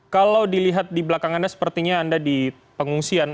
kalau dilihat di belakang anda sepertinya anda di pengungsian